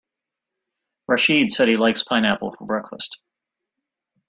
Rachid said he likes pineapple for breakfast.